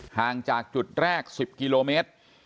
ห่างจากจุดแรก๑๐กิโลเมตร